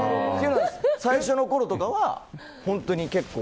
最初のころとかは本当に結構。